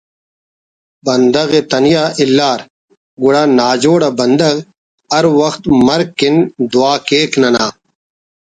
بندغ ءِ تنیا الار گڑا ناجوڑ آ بندغ ہر وخت مرگ اکن دعا کیک ننا